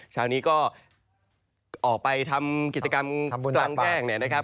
เช้านี้ก็ออกไปทำกิจกรรมกลางแจ้งเนี่ยนะครับ